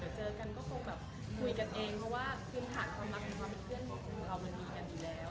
เดี๋ยวเจอกันก็ต้องแบบคุยกันเองเพราะว่าคืนหาความรักคือความเป็นเพื่อนของเรามันมีอย่างดีแล้ว